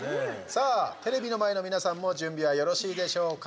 テレビの前の皆さんも準備はよろしいでしょうか？